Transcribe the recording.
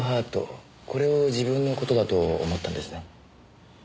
これを自分の事だと思ったんですね。